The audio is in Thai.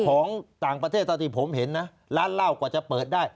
ของต่างประเทศเท่าที่ผมเห็นนะร้านเหล้ากว่าจะเปิดได้